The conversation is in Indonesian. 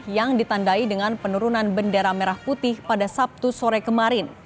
yang ditandai dengan penurunan bendera merah putih pada sabtu sore kemarin